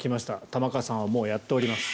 玉川さんはもうやっております。